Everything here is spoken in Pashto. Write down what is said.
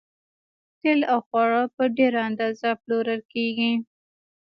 تیل او خواړه په ډیره اندازه پلورل کیږي